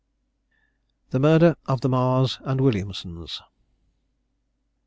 THE MURDER OF THE MARRS AND WILLIAMSONS.